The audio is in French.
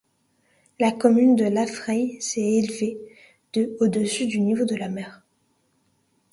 La commune de Laffrey est élevée de au-dessus du niveau de la mer.